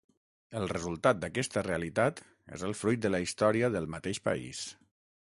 El resultat d'aquesta realitat és el fruit de la història del mateix país.